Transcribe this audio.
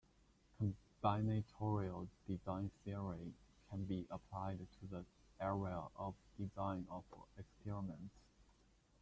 Combinatorial design theory can be applied to the area of design of experiments.